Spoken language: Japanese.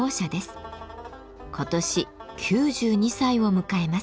今年９２歳を迎えます。